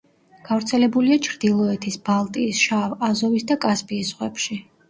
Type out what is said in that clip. გავრცელებულია ჩრდილოეთის, ბალტიის, შავ, აზოვის და კასპიის ზღვებში.